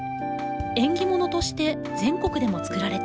縁起物として全国でも作られています。